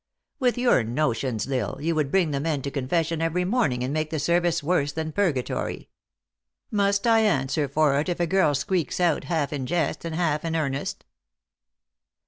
With your notions, L Isle, you would bring the men to confession every morning and make the service worse than purgatory. Must I answer for it if a girl squeaks out, half in jest, and half in earnest?"